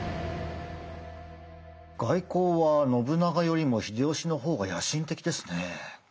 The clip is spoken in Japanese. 外交は信長よりも秀吉の方が野心的ですね怖いくらいだ。